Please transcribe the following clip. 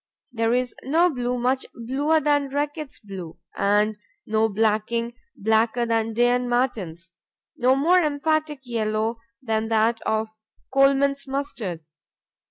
There is no blue much bluer than Reckitt's Blue and no blacking blacker than Day and Martin's; no more emphatic yellow than that of Colman's Mustard.